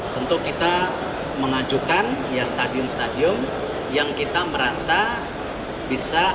tentu kita mengajukan ya stadion stadion yang kita merasa bisa